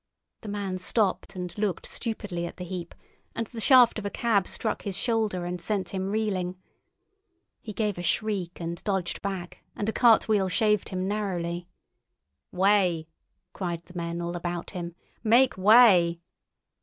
The man stopped and looked stupidly at the heap, and the shaft of a cab struck his shoulder and sent him reeling. He gave a shriek and dodged back, and a cartwheel shaved him narrowly. "Way!" cried the men all about him. "Make way!"